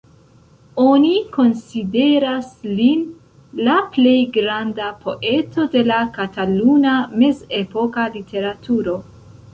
Oni konsideras lin la plej granda poeto de la kataluna mezepoka literaturo.